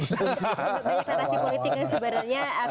banyak teraksi politik yang sebenarnya keluar dari